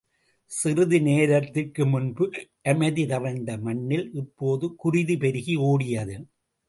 சிறிது நேரத்திற்கு முன்பு அமைதி தவழ்ந்த மண்ணில், இப்போது குருதி பெருகி ஓடியது.